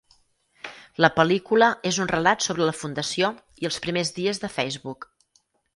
La pel·lícula és un relat sobre la fundació i els primers dies de Facebook.